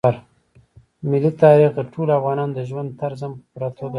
ملي تاریخ د ټولو افغانانو د ژوند طرز هم په پوره توګه اغېزمنوي.